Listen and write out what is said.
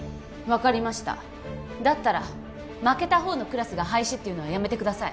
分かりましただったら負けた方のクラスが廃止っていうのはやめてください